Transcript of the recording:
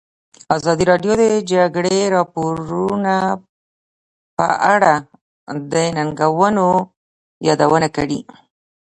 ازادي راډیو د د جګړې راپورونه په اړه د ننګونو یادونه کړې.